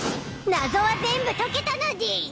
謎は全部解けたのでぃす！